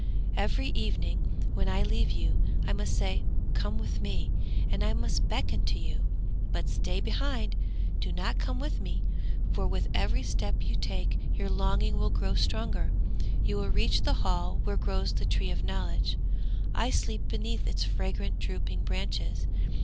Every evening when I leave you I must say, "Come with me," and I must beckon to you, but stay behind. Do not come with me, for with every step you take your longing will grow stronger. You will reach the hall where grows the Tree of Knowledge; I sleep beneath its fragrant drooping branches.